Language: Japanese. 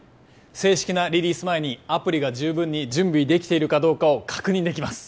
正式なリリース前にアプリが十分に準備できているかどうかを確認できます